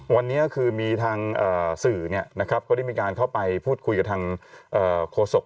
วันนี้คือมีทางสื่อก็ได้มีการเข้าไปพูดคุยกับทางโฆษก